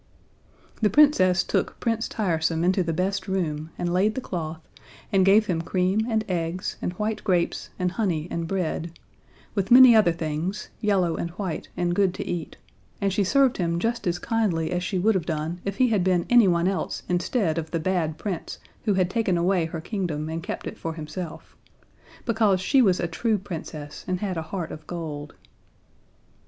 The Princess took Prince Tiresome into the best room, and laid the cloth, and gave him cream and eggs and white grapes and honey and bread, with many other things, yellow and white and good to eat, and she served him just as kindly as she would have done if he had been anyone else instead of the bad Prince who had taken away her kingdom and kept it for himself because she was a true Princess and had a heart of gold.